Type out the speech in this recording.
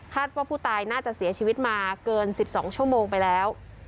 ว่าผู้ตายน่าจะเสียชีวิตมาเกิน๑๒ชั่วโมงไปแล้ว